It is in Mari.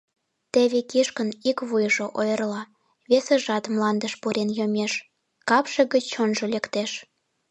Теве кишкын ик вуйжо ойырла, весыжат мландыш пурен йомеш, капше гыч чонжо лектеш.